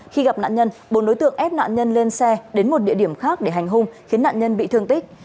khi gặp nạn nhân bốn đối tượng ép nạn nhân lên xe đến một địa điểm khác để hành hung khiến nạn nhân bị thương tích